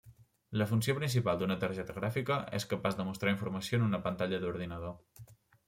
La funció principal d'una targeta gràfica és capaç de mostrar informació en una pantalla d'ordinador.